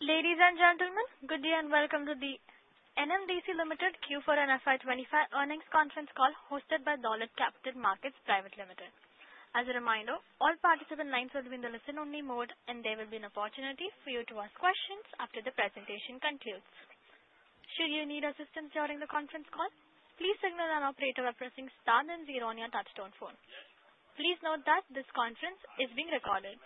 Ladies and gentlemen, good day and welcome to the NMDC Limited Q4 and FY 2025 earnings conference call hosted by Dolat Capital Market Private Limited. As a reminder, all participant lines will be in the listen-only mode, and there will be an opportunity for you to ask questions after the presentation concludes. Should you need assistance during the conference call, please signal an operator by pressing star then zero on your touch-tone phone. Please note that this conference is being recorded.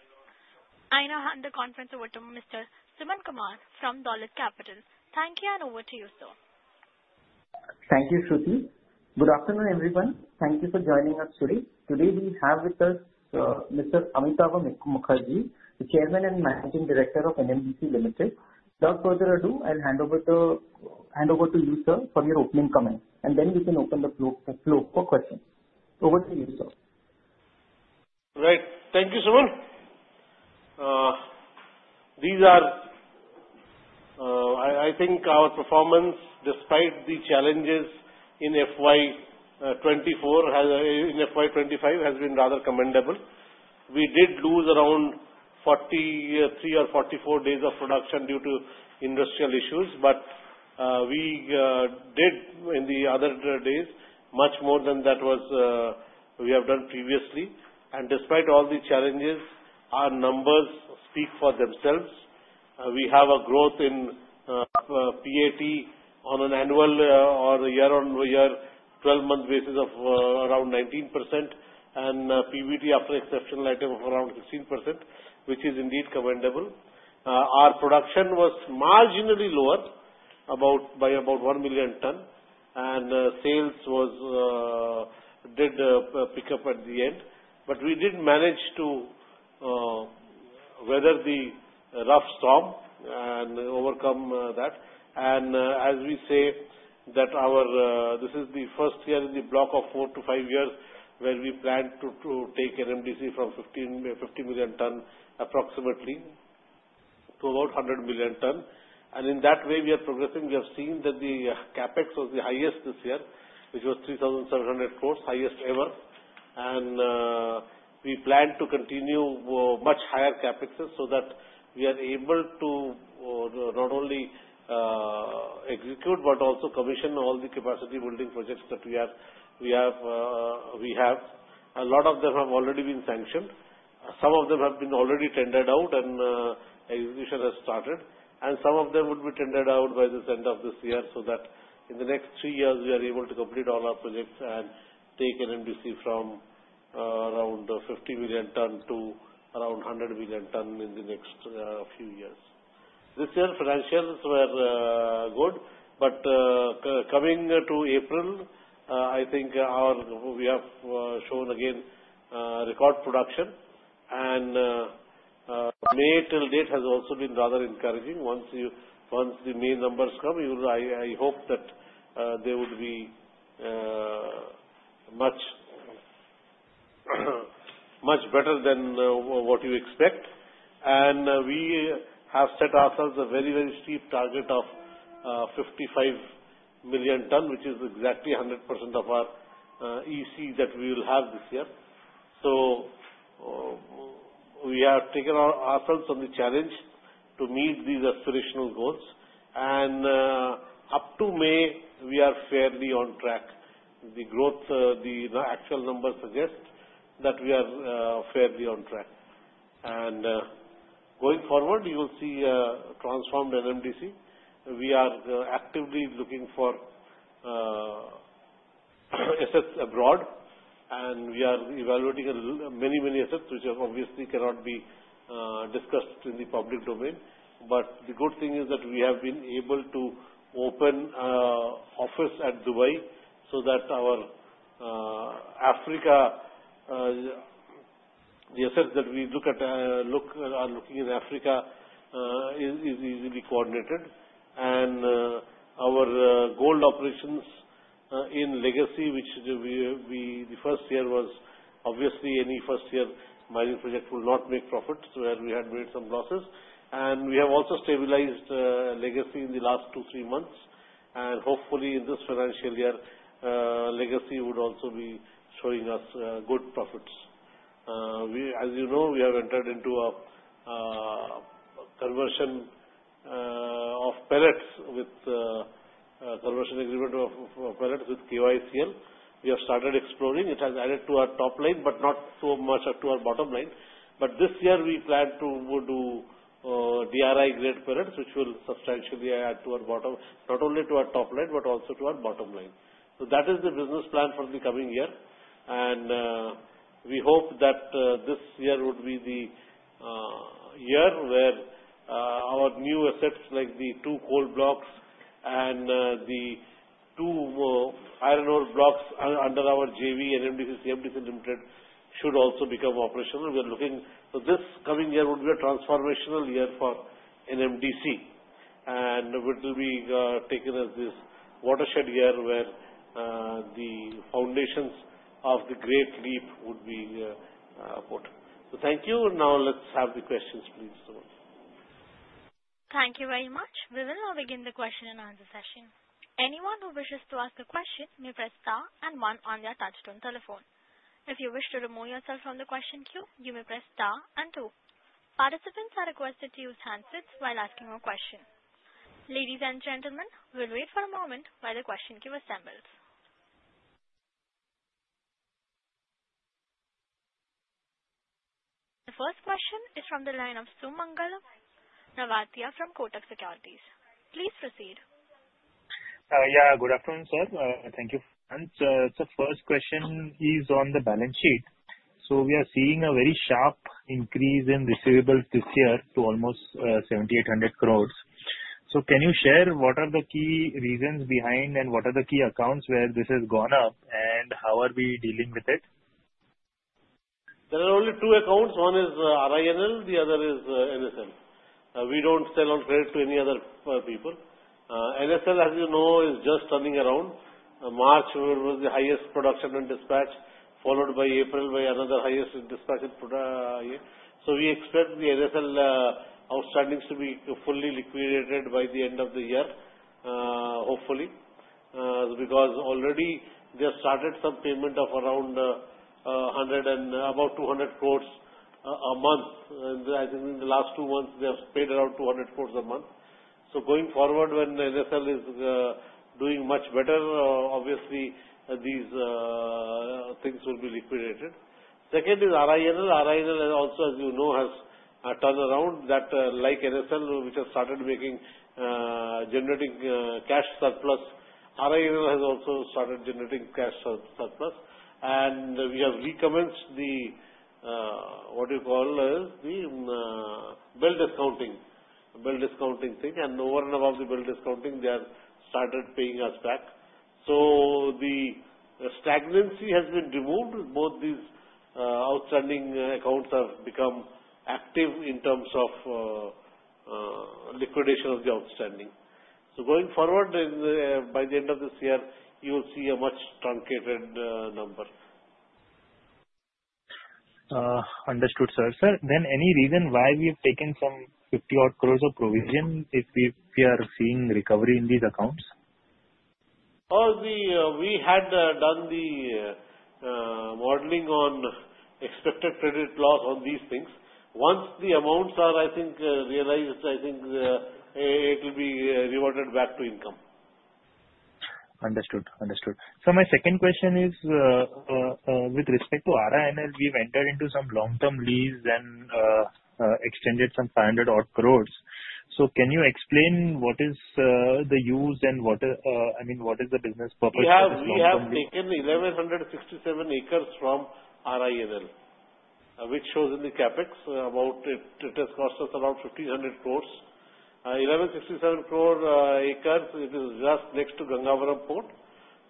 I now hand the conference over to Mr. Suman Kumar from Dolat Capital. Thank you, and over to you, sir. Thank you, Shruti. Good afternoon, everyone. Thank you for joining us today. Today we have with us Mr. Amitava Mukherjee, the Chairman and Managing Director of NMDC Limited. Without further ado, I'll hand over to you, sir, for your opening comments, and then we can open the floor for questions. Over to you, sir. Right. Thank you, Suman. These are, I think, our performance despite the challenges in FY 2024 has been rather commendable. We did lose around 43 or 44 days of production due to industrial issues, but we did, in the other days, much more than that we have done previously. And despite all the challenges, our numbers speak for themselves. We have a growth in PAT on an annual or year-on-year 12-month basis of around 19%, and PBT, after exceptional item, of around 16%, which is indeed commendable. Our production was marginally lower, by about one million ton, and sales did pick up at the end. But we did manage to weather the rough storm and overcome that. And as we say, this is the first year in the block of four to five years where we plan to take NMDC from 50 million ton, approximately, to about 100 million ton. In that way, we are progressing. We have seen that the CapEx was the highest this year, which was 3,700 crores, highest ever. We plan to continue much higher CapExes so that we are able to not only execute but also commission all the capacity-building projects that we have. A lot of them have already been sanctioned. Some of them have been already tendered out, and execution has started. Some of them would be tendered out by this end of this year so that in the next three years, we are able to complete all our projects and take NMDC from around 50 million ton to around 100 million ton in the next few years. This year, financials were good, but coming to April, I think we have shown again record production. May till date has also been rather encouraging. Once the main numbers come, I hope that they would be much better than what you expect. And we have set ourselves a very, very steep target of 55 million ton, which is exactly 100% of our EC that we will have this year. So we have taken ourselves on the challenge to meet these aspirational goals. And up to May, we are fairly on track. The actual numbers suggest that we are fairly on track. And going forward, you will see transformed NMDC. We are actively looking for assets abroad, and we are evaluating many, many assets, which obviously cannot be discussed in the public domain. But the good thing is that we have been able to open office at Dubai so that our Africa, the assets that we are looking in Africa are easily coordinated. Our gold operations in Legacy, which the first year was obviously any first-year mining project will not make profits, where we had made some losses. We have also stabilized Legacy in the last two, three months. Hopefully, in this financial year, Legacy would also be showing us good profits. As you know, we have entered into a conversion of pellets with a conversion agreement of pellets with KIOCL. We have started exporting. It has added to our top line, but not so much to our bottom line. This year, we plan to do DRI-grade pellets, which will substantially add to our bottom line, not only to our top line, but also to our bottom line. That is the business plan for the coming year. We hope that this year would be the year where our new assets, like the two coal blocks and the two iron ore blocks under our JV, NMDC Limited, should also become operational. We are looking for this coming year to be a transformational year for NMDC. It will be taken as this watershed year where the foundations of the great leap would be put. Thank you. Now, let's have the questions, please, Suman. Thank you very much. We will now begin the question-and-answer session. Anyone who wishes to ask a question may press star and one on their touch-tone telephone. If you wish to remove yourself from the question queue, you may press star and two. Participants are requested to use handsets while asking a question. Ladies and gentlemen, we'll wait for a moment while the question queue assembles. The first question is from the line of Sumangal Nevatia from Kotak Securities. Please proceed. Yeah. Good afternoon, sir. Thank you for the answer. So first question is on the balance sheet. So we are seeing a very sharp increase in receivables this year to almost 7,800 crores. So can you share what are the key reasons behind and what are the key accounts where this has gone up, and how are we dealing with it? There are only two accounts. One is RINL. The other is NSL. We don't sell on credit to any other people. NSL, as you know, is just turning around. March was the highest production and dispatch, followed by April by another highest dispatched year. So we expect the NSL outstandings to be fully liquidated by the end of the year, hopefully, because already they have started some payment of around about 200 crore a month. I think in the last two months, they have paid around 200 crore a month. So going forward, when NSL is doing much better, obviously, these things will be liquidated. Second is RINL. RINL also, as you know, has turned around that, like NSL, which has started generating cash surplus. RINL has also started generating cash surplus. And we have recommenced the, what do you call, the bill discounting thing. And over and above the bill discounting, they have started paying us back. So the stagnancy has been removed. Both these outstanding accounts have become active in terms of liquidation of the outstanding. So going forward, by the end of this year, you will see a much truncated number. Understood, sir. Sir, then any reason why we have taken some 50-odd crores of provision if we are seeing recovery in these accounts? We had done the modeling on expected credit loss on these things. Once the amounts are, I think, realized, I think it will be reverted back to income. Understood. So my second question is, with respect to RINL, we've entered into some long-term lease and extended some 500-odd crores. So can you explain what is the use and, I mean, what is the business purpose of this long-term lease? Yeah. We have taken 1,167 acres from RINL, which shows in the CapEx. It has cost us around 1,500 crores. 1,167 acres, it is just next to Gangavaram port.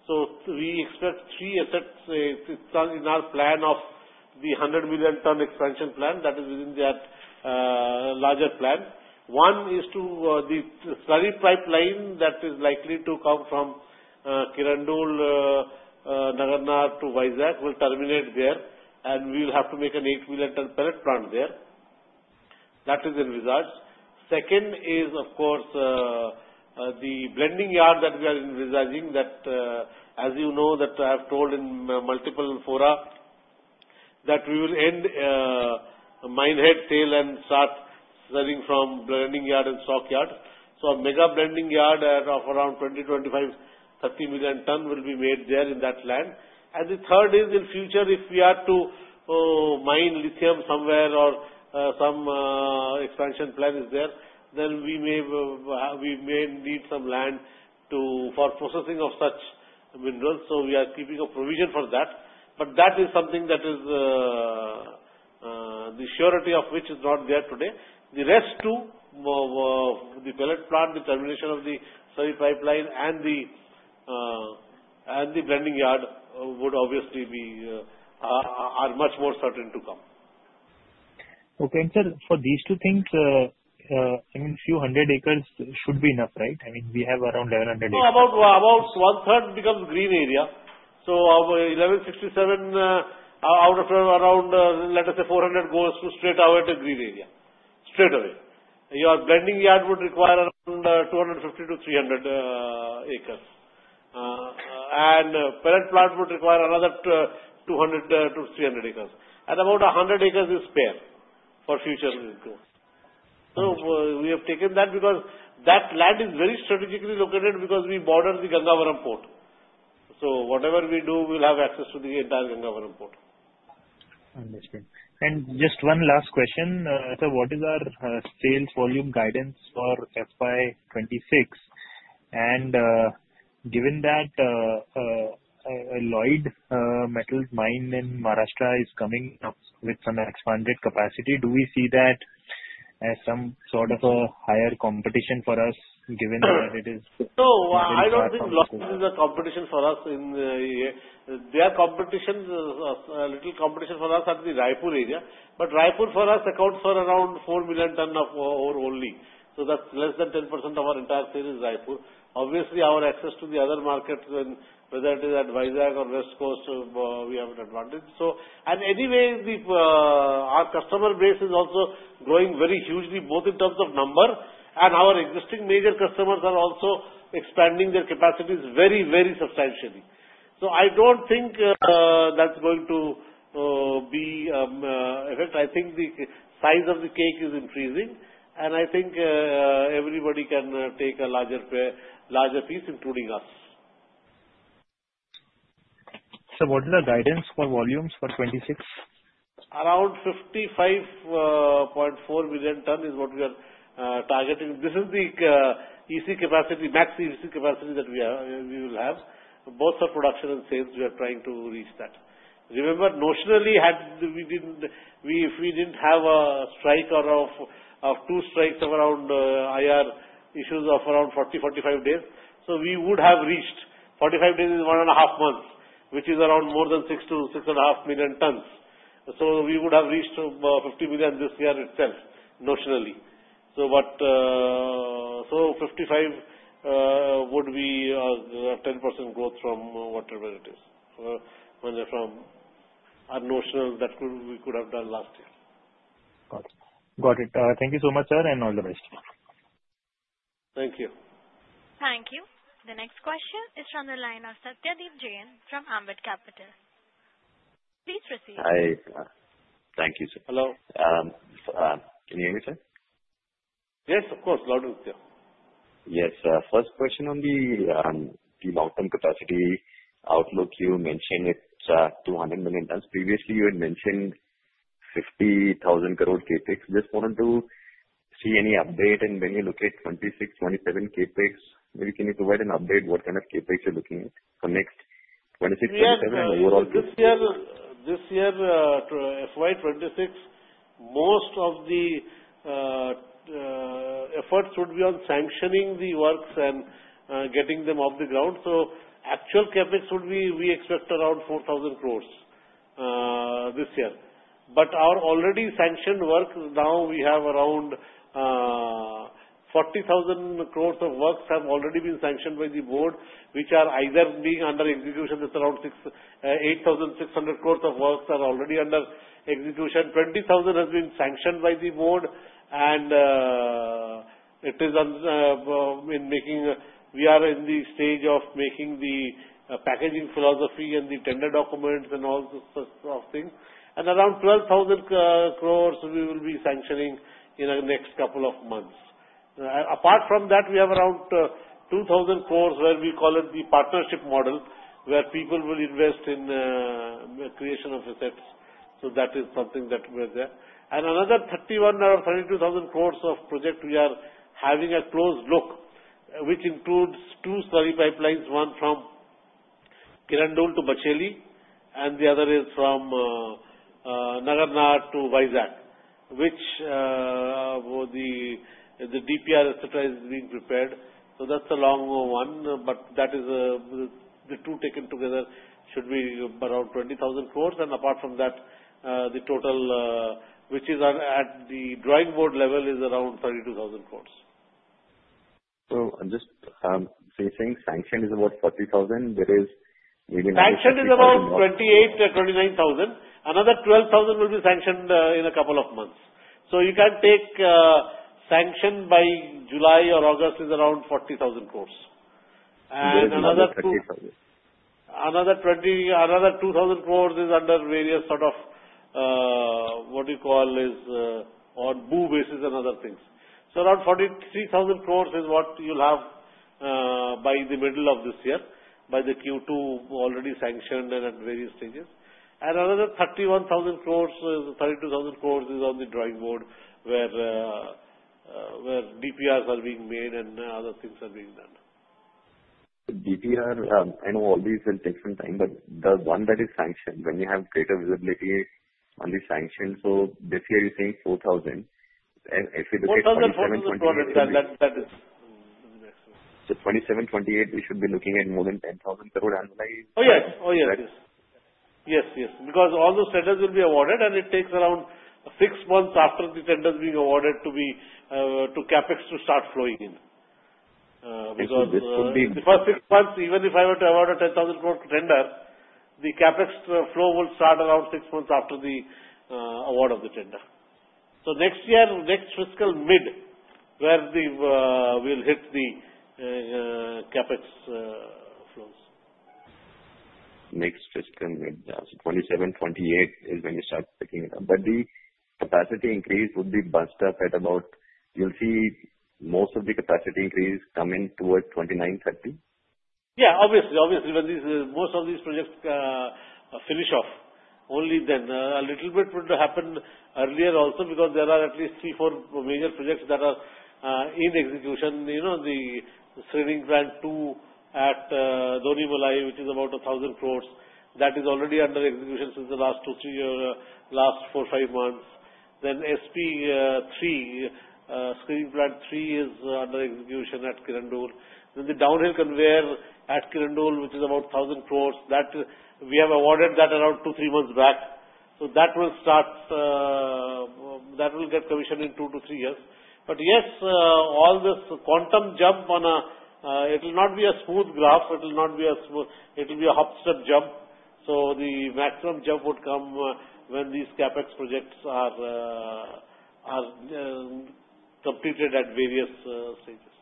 So we expect three assets. It's in our plan of the 100-million-ton expansion plan that is within that larger plan. One is the slurry pipeline that is likely to come from Kirandul, Nagarnar to Vizag will terminate there, and we will have to make an 8-million-ton pellet plant there. That is envisaged. Second is, of course, the blending yard that we are envisaging that, as you know, that I have told in multiple fora that we will end minehead sales, and start selling from blending yard and stock yard. So a mega blending yard of around 20, 25, 30 million ton will be made there in that land. And the third is, in future, if we are to mine lithium somewhere or some expansion plan is there, then we may need some land for processing of such minerals. So we are keeping a provision for that. But that is something that is the surety of which is not there today. The rest too, the pellet plant, the termination of the slurry pipeline, and the blending yard would obviously be much more certain to come. Okay. And sir, for these two things, I mean, a few hundred acres should be enough, right? I mean, we have around 1,100 acres. No, about one-third becomes green area. So 1,167 out of around, let us say, 400 goes straight away to green area, straight away. Your blending yard would require around 250-300 acres. And pellet plant would require another 200-300 acres. And about 100 acres is spare for future growth. So we have taken that because that land is very strategically located because we border the Gangavaram port. So whatever we do, we'll have access to the entire Gangavaram port. Understood. And just one last question, sir. What is our sales volume guidance for FY 2026? And given that Lloyds Metals mine in Maharashtra is coming up with some expanded capacity, do we see that as some sort of a higher competition for us given that it is? No, I don't think Lloyds Metals is a competition for us in the year. There are competitions, a little competition for us at the Raipur area, but Raipur for us accounts for around four million tons of ore only. So that's less than 10% of our entire sale is Raipur. Obviously, our access to the other markets, whether it is at Vizag or West Coast, we have an advantage, and anyway, our customer base is also growing very hugely, both in terms of number, and our existing major customers are also expanding their capacities very, very substantially. So I don't think that's going to be a fact. I think the size of the cake is increasing, and I think everybody can take a larger piece, including us. Sir, what is the guidance for volumes for 26? Around 55.4 million ton is what we are targeting. This is the EC capacity, max EC capacity that we will have. Both for production and sales, we are trying to reach that. Remember, notionally, if we didn't have a strike or two strikes of around IR issues of around 40, 45 days, so we would have reached. 45 days is one and a half months, which is around more than 6 to 6 and a half million tons. So we would have reached 50 million this year itself, notionally. So 55 would be a 10% growth from whatever it is, from our notional that we could have done last year. Got it. Got it. Thank you so much, sir, and all the best. Thank you. Thank you. The next question is from the line of Satyadeep Jain from Ambit Capital. Please proceed. Hi. Thank you, sir. Hello. Can you hear me, sir? Yes, of course. Loud and clear. Yes. First question on the long-term capacity outlook, you mentioned it's 200 million tons. Previously, you had mentioned 50,000 crore Capex. Just wanted to see any update, and when you look at 2026, 2027 Capex, maybe can you provide an update what kind of Capex you're looking at for next 2026, 2027, and overall? This year, FY 2026, most of the efforts would be on sanctioning the works and getting them off the ground, so actual CapEx would be, we expect around 4,000 crores this year. But our already sanctioned works, now we have around 40,000 crores of works have already been sanctioned by the board, which are either being under execution. That's around 8,600 crores of works are already under execution. 20,000 has been sanctioned by the board, and it is in making we are in the stage of making the packaging philosophy and the tender documents and all sorts of things, and around 12,000 crores we will be sanctioning in the next couple of months. Apart from that, we have around 2,000 crores where we call it the partnership model, where people will invest in creation of assets, so that is something that we are there. Another 31,000-32,000 crores of project we are having a close look, which includes two slurry pipelines, one from Kirandul to Bacheli, and the other is from Nagarnar to Vizag, which the DPR, etc., is being prepared. So that's the long one. But that is the two taken together should be around 20,000 crores. And apart from that, the total, which is at the drawing board level, is around 32,000 crores. So I'm just saying sanctioned is about 40,000. There is maybe 9,000. Sanctioned is about 28,000-29,000. Another 12,000 will be sanctioned in a couple of months. So you can take sanctioned by July or August is around 40,000 crores. Where is that 20,000? Another 2,000 crores is under various sort of, what do you call, on BOO basis and other things. So around 43,000 crores is what you'll have by the middle of this year by the Q2 already sanctioned and at various stages. And another 31,000 crores is 32,000 crores is on the drawing board where DPRs are being made and other things are being done. DPR, I know all these will take some time, but the one that is sanctioned, when you have greater visibility on the sanctions, so this year you're saying 4,000. If we look at 27-28. 4,000 crores, that is the next one. So 2728, we should be looking at more than 10,000 crore annualized. Oh, yes. Oh, yes. Yes, yes. Because all those tenders will be awarded, and it takes around six months after the tenders being awarded to CapEx to start flowing in. Because the first six months, even if I were to award a 10,000 crore tender, the CapEx flow will start around six months after the award of the tender. So next year, next fiscal mid where we'll hit the CapEx flows. Next fiscal mid, so 2027-28 is when you start picking it up. But the capacity increase would be bumped up at about. You'll see most of the capacity increase come in towards 2029-30? Yeah. Obviously, obviously, when most of these projects finish off, only then a little bit would happen earlier also because there are at least three, four major projects that are in execution. The Screening Plant 2 at Donimalai, which is about 1,000 crores, that is already under execution since the last two, three years, last four, five months. Then SP3, Screening Plant 3 is under execution at Kirandul. Then the downhill conveyor at Kirandul, which is about 1,000 crores, we have awarded that around two, three months back. So that will get commissioned in two to three years. But yes, all this quantum jump. It will not be a smooth graph, so it will be a hop step jump. So, the maximum jump would come when these CapEx projects are completed at various stages.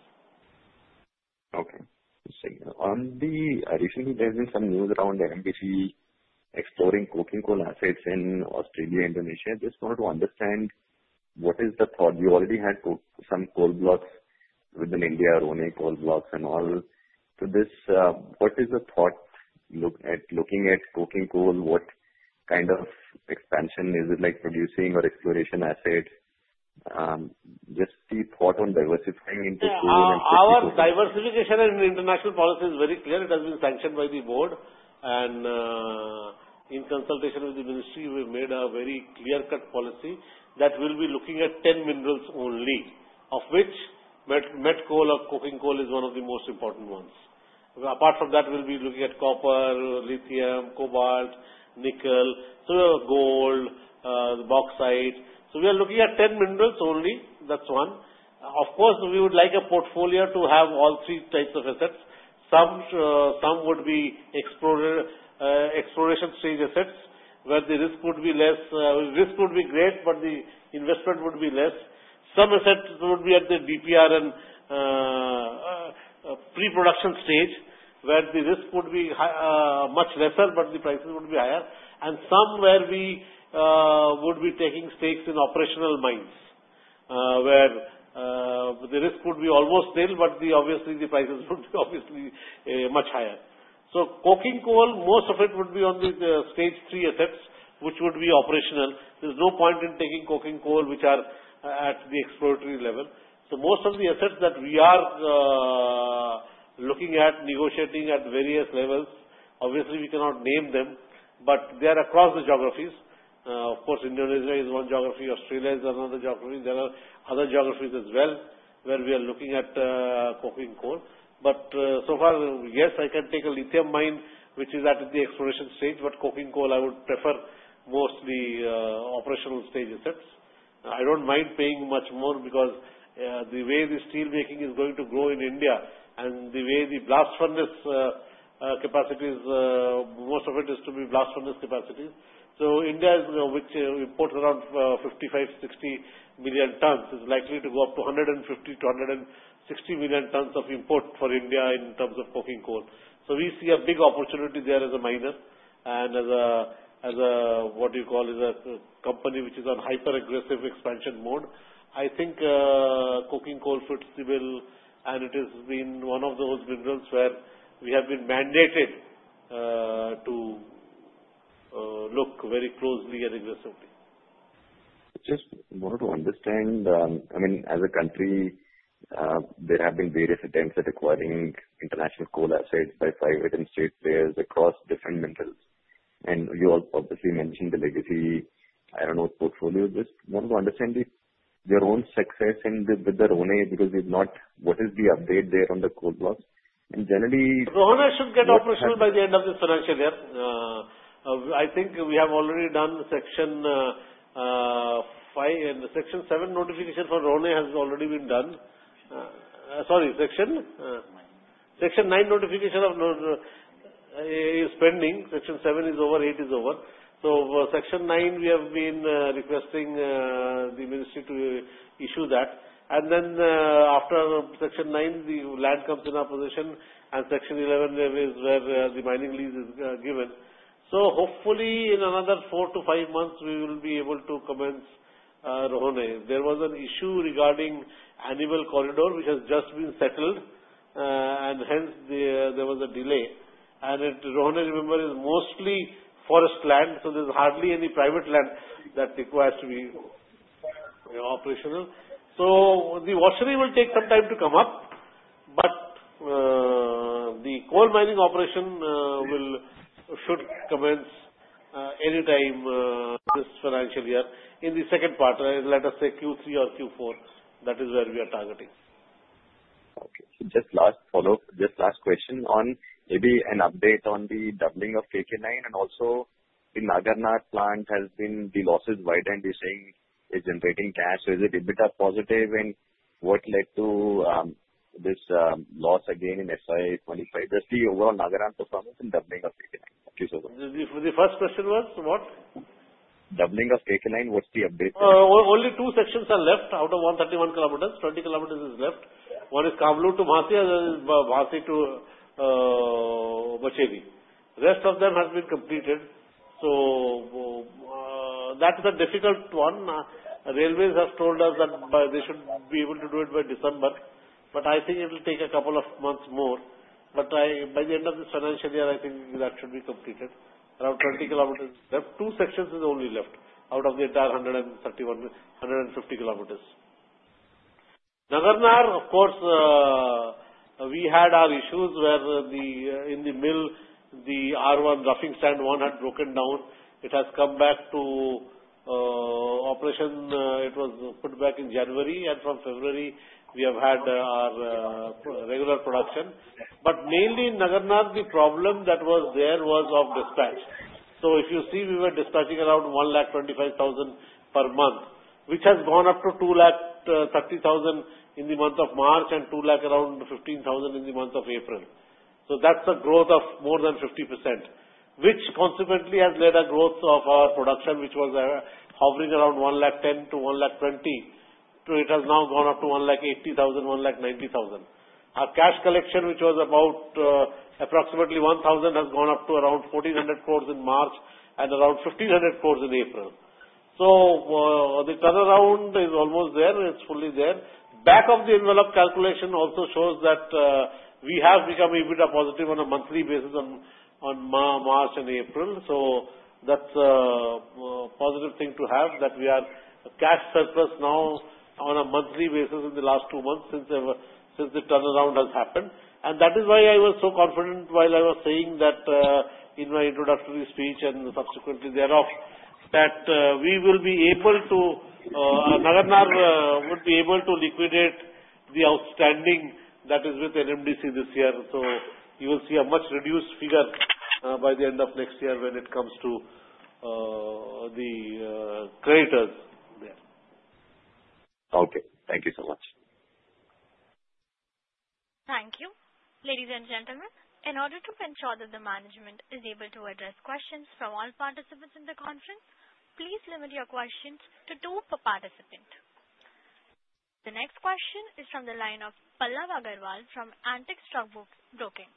Okay. Let's see. Recently, there's been some news around NMDC exploring coking coal assets in Australia and Indonesia. Just wanted to understand what is the thought. You already had some coal blocks within India, Rohne coal blocks and all. So what is the thought looking at coking coal? What kind of expansion is it like producing or exploration assets? Just the thought on diversifying into coal and petroleum. Our diversification in international policy is very clear. It has been sanctioned by the board, and in consultation with the ministry, we've made a very clear-cut policy that we'll be looking at 10 minerals only, of which met coal or coking coal is one of the most important ones. Apart from that, we'll be looking at copper, lithium, cobalt, nickel, so gold, bauxite, so we are looking at 10 minerals only. That's one. Of course, we would like a portfolio to have all three types of assets. Some would be exploration stage assets where the risk would be less. Risk would be great, but the investment would be less. Some assets would be at the DPR and pre-production stage where the risk would be much lesser, but the prices would be higher. Somewhere we would be taking stakes in operational mines where the risk would be almost nil, but obviously, the prices would be obviously much higher. Coking coal, most of it would be on the stage three assets, which would be operational. There's no point in taking coking coal, which are at the exploratory level. Most of the assets that we are looking at, negotiating at various levels, obviously, we cannot name them, but they are across the geographies. Of course, Indonesia is one geography. Australia is another geography. There are other geographies as well where we are looking at coking coal. So far, yes, I can take a lithium mine, which is at the exploration stage, but coking coal, I would prefer mostly operational stage assets. I don't mind paying much more because the way the steel making is going to grow in India and the way the blast furnace capacities, most of it is to be blast furnace capacities. So India, which imports around 55-60 million tons, is likely to go up to 150-160 million tons of import for India in terms of coking coal. So we see a big opportunity there as a miner and as a, what do you call, as a company which is on hyper-aggressive expansion mode. I think coking coal fits the bill, and it has been one of those minerals where we have been mandated to look very closely and aggressively. Just wanted to understand, I mean, as a country, there have been various attempts at acquiring international coal assets by private and state players across different minerals. And you obviously mentioned the legacy, I don't know, portfolio. Just wanted to understand your own success with the Rohne because what is the update there on the coal blocks? And generally. Rohne should get operational by the end of this financial year. I think we have already done Section 5, and Section 7 notification for Rohne has already been done. Sorry, section? 9. Section 9 notification is pending. Section 7 is over. 8 is over, so for Section 9, we have been requesting the ministry to issue that. And then after Section 9, the land comes in our possession, and Section 11 is where the mining lease is given, so hopefully, in another four-to-five months, we will be able to commence Rohne. There was an issue regarding animal corridor, which has just been settled, and hence there was a delay. And Rohne, remember, is mostly forest land, so there's hardly any private land that requires to be operational. So the washery will take some time to come up, but the coal mining operation should commence any time this financial year in the second quarter, let us say Q3 or Q4. That is where we are targeting. Okay. Just last follow-up, just last question on maybe an update on the doubling of KK line, and also the Nagarnar plant has been loss-wide, and you're saying it's generating cash. So is it a bit of positive? And what led to this loss again in FY 2025? Just the overall Nagarnar performance and doubling of KK line. Thank you so much. The first question was what? Doubling of KK line, what's the update? Only two sections are left out of 131 km. 20 km is left. One is Kamalur to Bhansi, Bhansi to Bacheli. The rest of them has been completed. So that's the difficult one. Railways have told us that they should be able to do it by December, but I think it will take a couple of months more. But by the end of this financial year, I think that should be completed. Around 20 km left. Two sections are only left out of the entire 150 km. Nagarnar, of course, we had our issues where in the mill, the R1 roughing stand one had broken down. It has come back to operation. It was put back in January, and from February, we have had our regular production. But mainly in Nagarnar, the problem that was there was of dispatch. So if you see, we were dispatching around 125,000 per month, which has gone up to 230,000 in the month of March and 200,000 around 215,000 in the month of April. So that's a growth of more than 50%, which consequently has led to a growth of our production, which was hovering around 110,000 to 120,000. It has now gone up to 180,000, 190,000. Our cash collection, which was approximately 1,000, has gone up to around 1,400 crores in March and around 1,500 crores in April. So the turnaround is almost there. It's fully there. Back of the envelope calculation also shows that we have become a bit positive on a monthly basis in March and April. So that's a positive thing to have that we are cash surplus now on a monthly basis in the last two months since the turnaround has happened. That is why I was so confident while I was saying that in my introductory speech and subsequently thereof that Nagarnar would be able to liquidate the outstanding that is with NMDC this year. So you will see a much reduced figure by the end of next year when it comes to the creditors there. Okay. Thank you so much. Thank you. Ladies and gentlemen, in order to ensure that the management is able to address questions from all participants in the conference, please limit your questions to two per participant. The next question is from the line of Pallav Agarwal from Antique Stock Broking.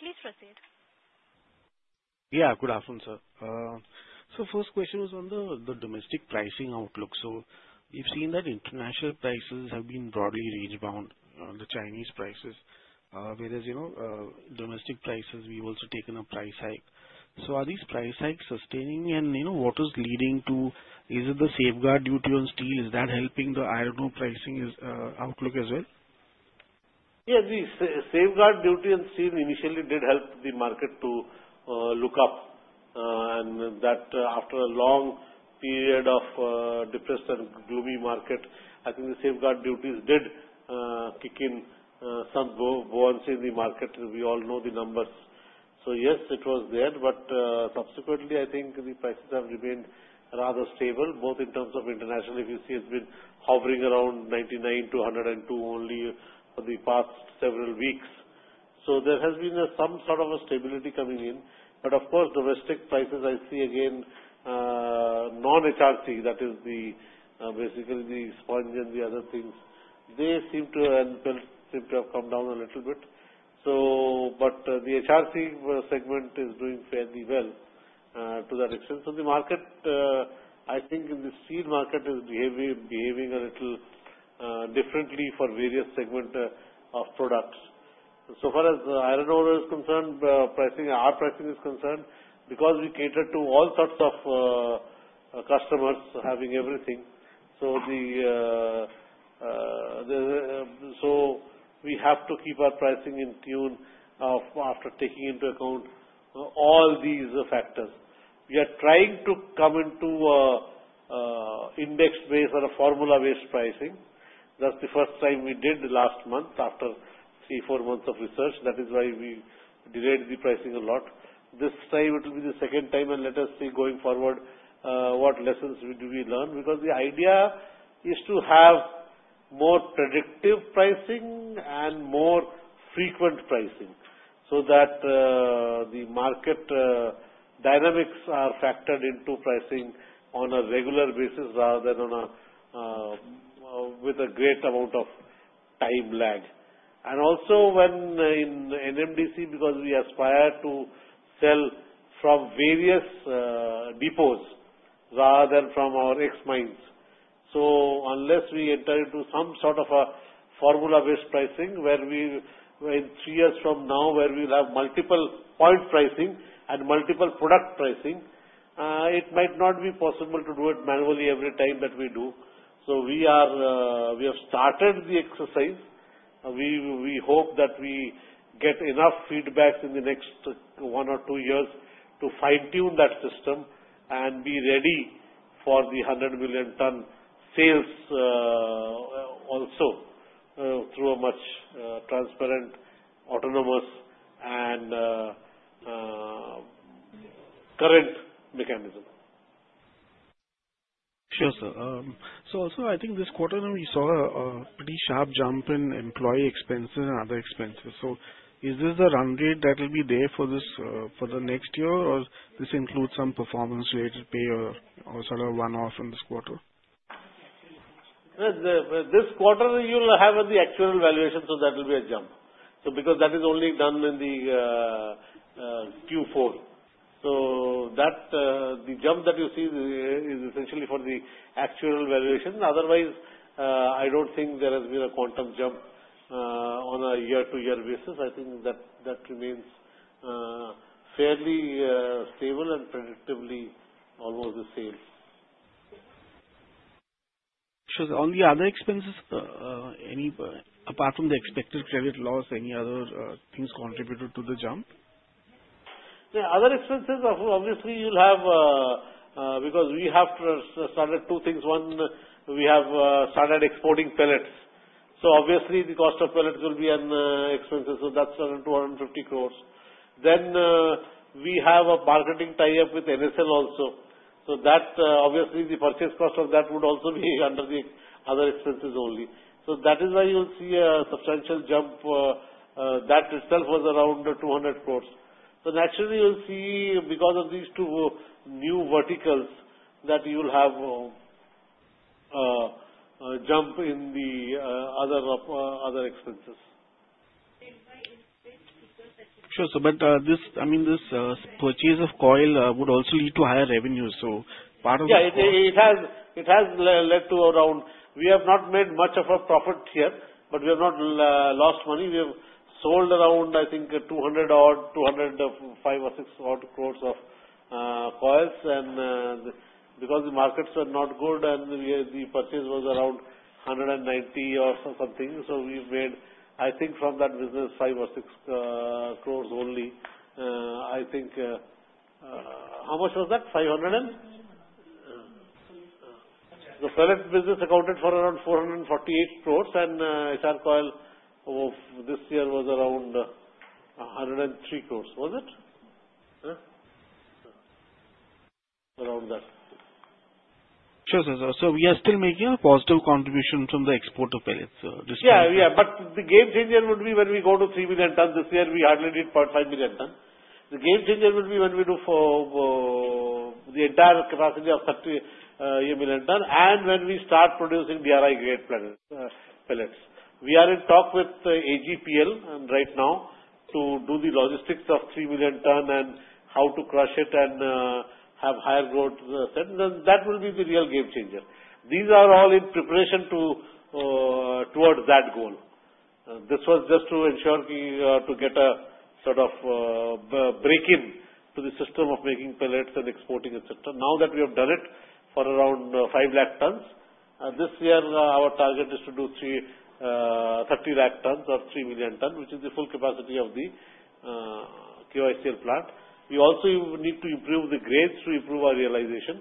Please proceed. Yeah. Good afternoon, sir. So first question was on the domestic pricing outlook. So we've seen that international prices have been broadly rangebound, the Chinese prices, whereas domestic prices, we've also taken a price hike. So are these price hikes sustaining, and what is leading to is it the safeguard duty on steel? Is that helping the iron ore pricing outlook as well? Yes. The safeguard duty on steel initially did help the market to look up, and that after a long period of depressed and gloomy market, I think the safeguard duties did kick in some buoyancy in the market. We all know the numbers, so yes, it was there, but subsequently, I think the prices have remained rather stable, both in terms of international, if you see, it's been hovering around 99-102 only for the past several weeks, so there has been some sort of stability coming in, but of course, domestic prices, I see again, non-HRC, that is basically the sponge and the other things, they seem to have come down a little bit, but the HRC segment is doing fairly well to that extent, so the market, I think in the steel market, is behaving a little differently for various segments of products. So far as iron ore is concerned, our pricing is concerned because we cater to all sorts of customers having everything. So we have to keep our pricing in tune after taking into account all these factors. We are trying to come into an index-based or a formula-based pricing. That's the first time we did last month after three, four months of research. That is why we delayed the pricing a lot. This time, it will be the second time, and let us see going forward what lessons do we learn because the idea is to have more predictive pricing and more frequent pricing so that the market dynamics are factored into pricing on a regular basis rather than with a great amount of time lag. And also when in NMDC, because we aspire to sell from various depots rather than from our ex mines. So unless we enter into some sort of a formula-based pricing where in three years from now, where we will have multiple point pricing and multiple product pricing, it might not be possible to do it manually every time that we do. So we have started the exercise. We hope that we get enough feedback in the next one or two years to fine-tune that system and be ready for the 100 million ton sales also through a much transparent, autonomous, and current mechanism. Sure, sir. So also, I think this quarter, we saw a pretty sharp jump in employee expenses and other expenses. So is this the run rate that will be there for the next year, or does this include some performance-related pay or sort of one-off in this quarter? This quarter, you'll have the actual valuation, so that will be a jump. So because that is only done in the Q4. So the jump that you see is essentially for the actual valuation. Otherwise, I don't think there has been a quantum jump on a year-to-year basis. I think that remains fairly stable and predictably almost the same. Sure. On the other expenses, apart from the expected credit loss, any other things contributed to the jump? The other expenses, obviously, you'll have because we have started two things. One, we have started exporting pellets. So obviously, the cost of pellets will be an expense. So that's around 250 crores. Then we have a marketing tie-up with NSL also. So obviously, the purchase cost of that would also be under the other expenses only. So that is why you'll see a substantial jump. That itself was around 200 crores. So naturally, you'll see because of these two new verticals that you'll have a jump in the other expenses. Sure. So I mean, this purchase of coal would also lead to higher revenues. So part of the. Yeah. It has led to around. We have not made much of a profit here, but we have not lost money. We have sold around, I think, 200 or 205 or 206 crores of coal. And because the markets were not good, and the purchase was around 190 or something, so we've made, I think, from that business, 5 or 6 crores only. I think how much was that? 500 and? The pellet business accounted for around 448 crores, and HR Coil this year was around 103 crores. Was it? Around that. Sure, sir. So we are still making a positive contribution from the export of pellets. Yeah. Yeah. But the game changer would be when we go to 3 million tons this year. We hardly did 0.5 million tons. The game changer would be when we do the entire capacity of 30 million tons and when we start producing DRI-grade pellets. We are in talk with AGPL right now to do the logistics of 3 million tons and how to crush it and have higher growth. That will be the real game changer. These are all in preparation towards that goal. This was just to ensure to get a sort of break-in to the system of making pellets and exporting, etc. Now that we have done it for around 5 lakh tons, this year, our target is to do 30 lakh tons or 3 million tons, which is the full capacity of the KIOCL plant. We also need to improve the grades to improve our realization.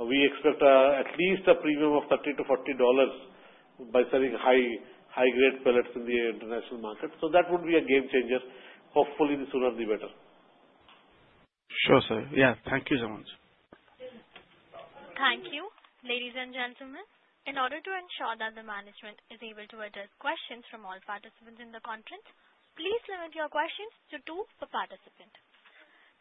We expect at least a premium of $30-$40 by selling high-grade pellets in the international market. So that would be a game changer. Hopefully, the sooner, the better. Sure, sir. Yeah. Thank you so much. Thank you. Ladies and gentlemen, in order to ensure that the management is able to address questions from all participants in the conference, please limit your questions to two per participant.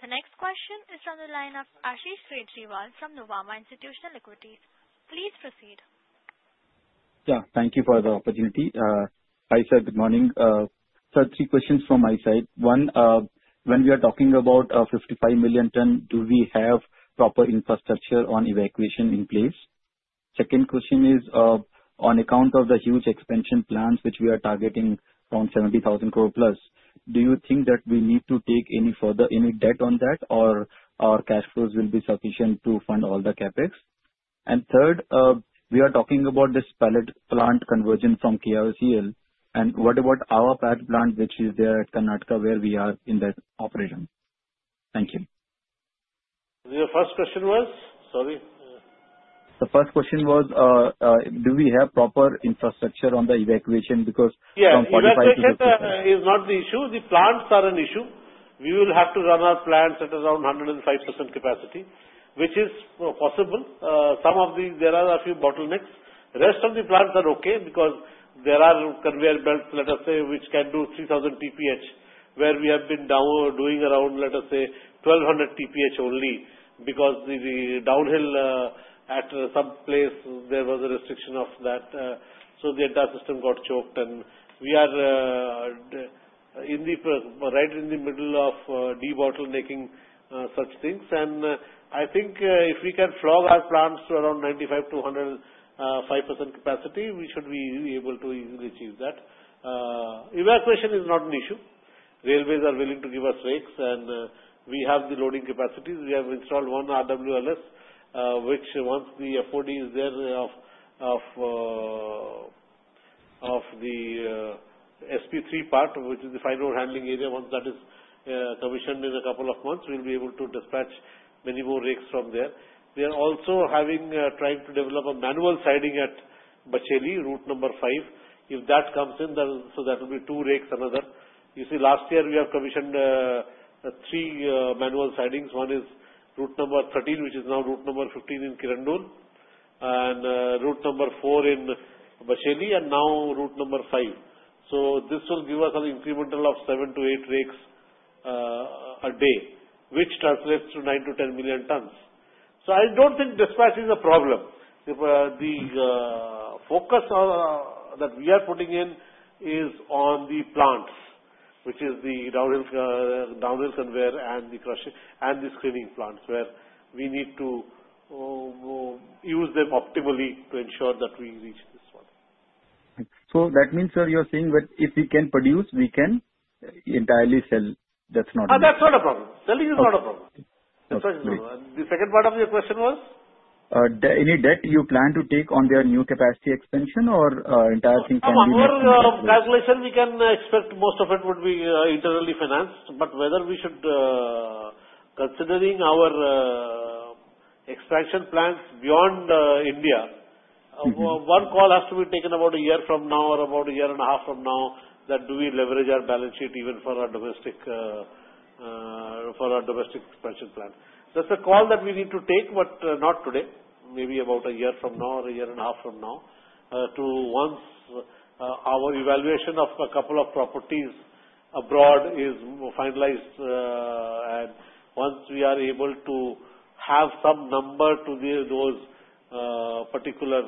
The next question is from the line of Ashish Kejriwal from Nuvama Institutional Equities. Please proceed. Yeah. Thank you for the opportunity. Hi, sir. Good morning. Sir, three questions from my side. One, when we are talking about 55 million ton, do we have proper infrastructure on evacuation in place? Second question is, on account of the huge expansion plans which we are targeting around 70,000 crore plus, do you think that we need to take any debt on that, or our cash flows will be sufficient to fund all the CapEx? And third, we are talking about this pellet plant conversion from KIOCL, and what about our pellet plant, which is there at Karnataka, where we are in that operation? Thank you. The first question was? Sorry. The first question was, do we have proper infrastructure on the evacuation because? Yeah. Evacuation is not the issue. The plants are an issue. We will have to run our plants at around 105% capacity, which is possible. There are a few bottlenecks. The rest of the plants are okay because there are conveyor belts, let us say, which can do 3,000 TPH, where we have been doing around, let us say, 1,200 TPH only because the downhill at some place, there was a restriction of that. So the entire system got choked, and we are right in the middle of de-bottlenecking such things, and I think if we can flog our plants to around 95%-105% capacity, we should be able to easily achieve that. Evacuation is not an issue. Railways are willing to give us rakes, and we have the loading capacities. We have installed one RWLS, which once the FOH is there of the SP3 part, which is the fine ore handling area, once that is commissioned in a couple of months, we'll be able to dispatch many more rakes from there. We are also trying to develop a manual siding at Bacheli, Route Number 5. If that comes in, so that will be two rakes another. You see, last year, we have commissioned three manual sidings. One is Route Number 13, which is now Route Number 15 in Kirandul, and Route Number 4 in Bacheli, and now Route Number 5. So, this will give us an incremental of 7-8 rakes a day, which translates to 9-10 million tons. So, I don't think dispatch is a problem. The focus that we are putting in is on the plants, which is the downhill conveyor and the crushing and the screening plants, where we need to use them optimally to ensure that we reach this one. So that means, sir, you're saying that if we can produce, we can entirely sell. That's not a problem. That's not a problem. Selling is not a problem. The second part of your question was? Any debt you plan to take on their new capacity expansion, or entire thing can be? Our calculation, we can expect most of it would be internally financed. But whether we should consider our expansion plans beyond India, one call has to be taken about a year from now or about a year and a half from now that do we leverage our balance sheet even for our domestic expansion plan. That's a call that we need to take, but not today, maybe about a year from now or a year and a half from now to once our evaluation of a couple of properties abroad is finalized, and once we are able to have some number to those particular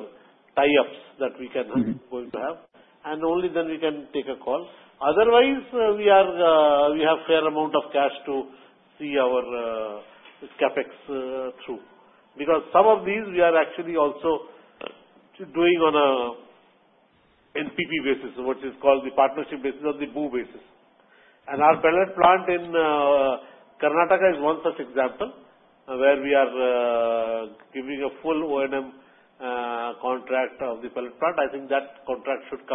tie-ups that we are going to have, and only then we can take a call. Otherwise, we have a fair amount of cash to see our CapEx through because some of these we are actually also doing on an PPP basis, what is called the partnership basis or the BOO basis. And our pellet plant in Karnataka is one such example where we are giving a full O&M contract of the pellet plant. I think that contract should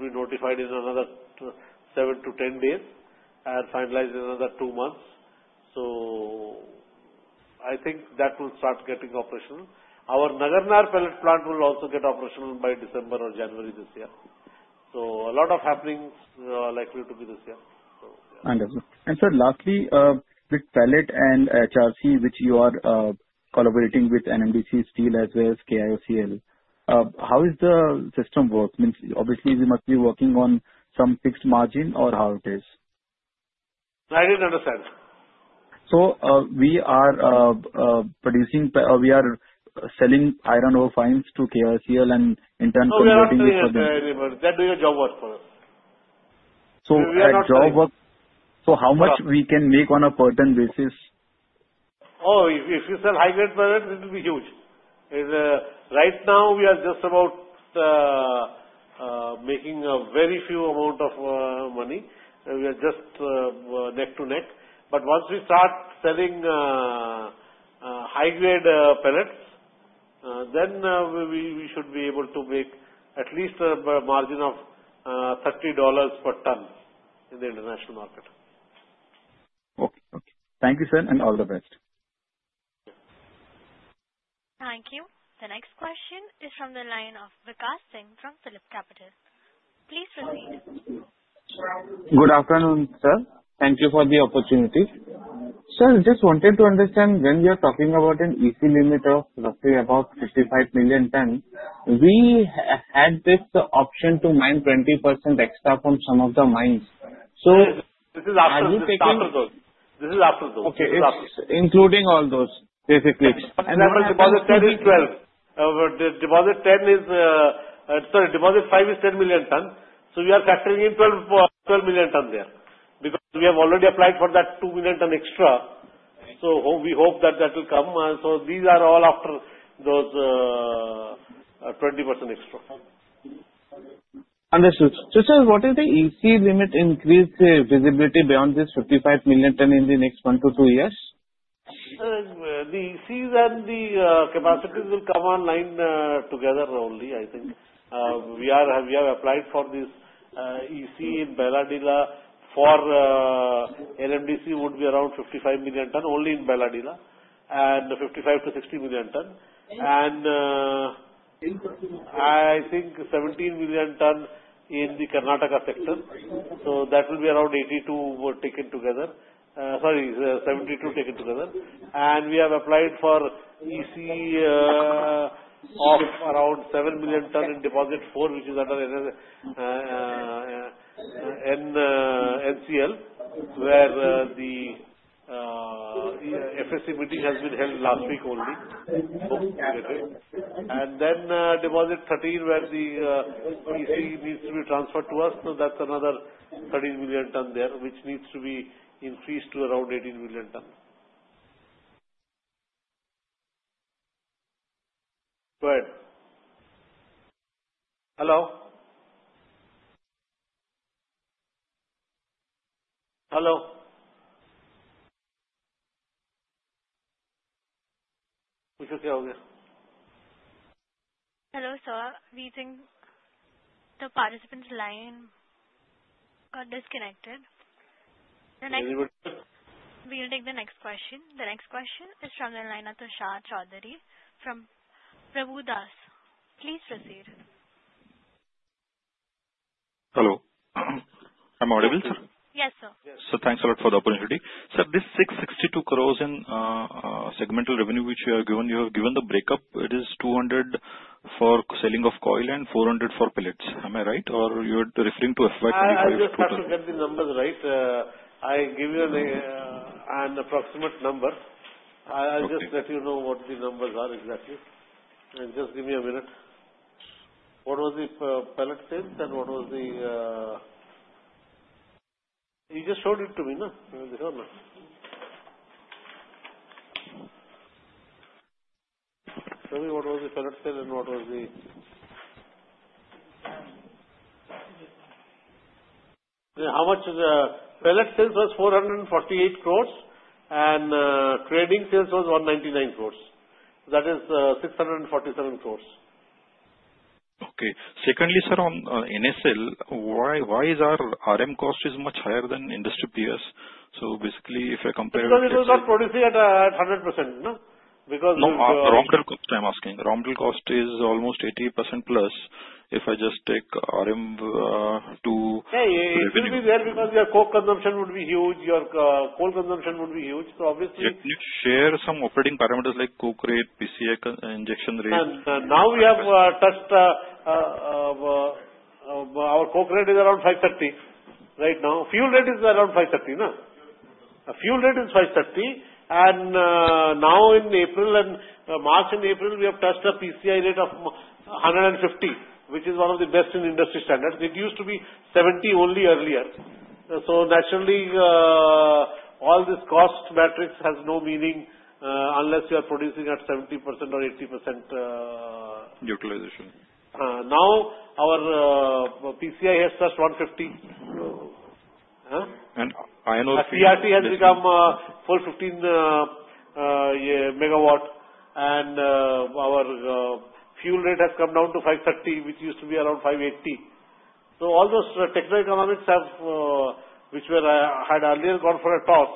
be notified in another 7 to 10 days and finalized in another two months. So I think that will start getting operational. Our Nagarnar pellet plant will also get operational by December or January this year. So a lot of happenings are likely to be this year. Wonderful. Sir, lastly, with pellet and HRC, which you are collaborating with NMDC Steel, as well as KIOCL, how does the system work? Obviously, we must be working on some fixed margin or how it is? I didn't understand. We are producing or we are selling iron ore fines to KIOCL and in turn converting it for them. We are doing a job work for them. How much we can make on a per ton basis? Oh, if you sell high-grade pellets, it will be huge. Right now, we are just about making a very few amount of money. We are just neck to neck. But once we start selling high-grade pellets, then we should be able to make at least a margin of $30 per ton in the international market. Okay. Okay. Thank you, sir, and all the best. Thank you. The next question is from the line of Vikas Singh from PhillipCapital. Please proceed. Good afternoon, sir. Thank you for the opportunity. Sir, I just wanted to understand when you're talking about an easy limit of roughly about 55 million tons, we had this option to mine 20% extra from some of the mines. So. This is after those. Okay. Including all those, basically. The Deposit 10 is 12. The Deposit 10 is sorry, Deposit 5 is 10 million tons. So we are factoring in 12 million tons there because we have already applied for that 2 million ton extra. So we hope that that will come. So these are all after those 20% extra. Understood. So sir, what is the EC limit increase visibility beyond this 55 million tons in the next one to two years? The EC and the capacity will come online together only, I think. We have applied for this EC in Bailadila for NMDC would be around 55 million ton only in Bailadila and 55-60 million ton. And I think 17 million ton in the Karnataka sector. So that will be around 82 taken together. Sorry, 72 taken together. And we have applied for EC of around 7 million ton in Deposit 4, which is under NCL, where the FAC meeting has been held last week only. And then Deposit 13, where the EC needs to be transferred to us. So that's another 13 million ton there, which needs to be increased to around 18 million ton. Go ahead. Hello. Hello. Okay. Okay. Hello. So the participants' line got disconnected. We will take the next question. The next question is from the line of Tushar Chaudhari from Prabhudas. Please proceed. Hello. Am I audible, sir? Yes, sir. Yes. So thanks a lot for the opportunity. Sir, this 662 crores in segmental revenue, which you have given, you have given the breakup. It is 200 for selling of coal and 400 for pellets. Am I right? Or you are referring to FY 2025? I just have to get the numbers right. I give you an approximate number. I'll just let you know what the numbers are exactly. Just give me a minute. What was the pellet sales? You just showed it to me, no? You showed me. Tell me what the pellet sales was. It was 448 crores, and trading sales was 199 crores. That is 647 crores. Okay. Secondly, sir, on NSL, why is our RM cost much higher than industry peers? So basically, if I compare it to. Because we're not producing at 100%, no? Because the. No, raw material cost, I'm asking. Raw material cost is almost 80% plus if I just take RM to. Yeah. It would be there because your coke consumption would be huge. Your coal consumption would be huge. So obviously. Share some operating parameters like coke rate, PCI injection rate. Now we have touched our coke rate is around 530 right now. Fuel rate is around 530, no? Fuel rate is 530, and now in April and March and April, we have touched a PCI rate of 150, which is one of the best in industry standards. It used to be 70 only earlier, so naturally, all this cost matrix has no meaning unless you are producing at 70% or 80%. Utilization. Now our PCI has touched 150. Iron ore. TRT has become full 15 megawatt. And our fuel rate has come down to 530, which used to be around 580. So all those technical economics which were had earlier gone for a toss.